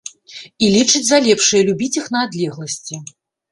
І лічыць за лепшае любіць іх на адлегласці.